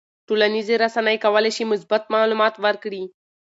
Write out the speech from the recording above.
ټولنیزې رسنۍ کولی شي مثبت معلومات ورکړي.